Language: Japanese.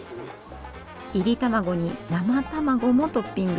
いり卵に生卵もトッピング！